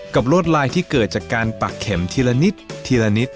ลวดลายที่เกิดจากการปักเข็มทีละนิดทีละนิด